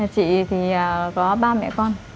chị thì có ba mẹ con